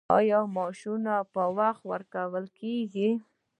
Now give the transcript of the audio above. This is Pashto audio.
آیا معاشونه په وخت ورکول کیږي؟